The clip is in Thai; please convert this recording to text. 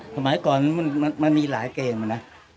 สมัยก่อนมันมีหลายเกมอะนะ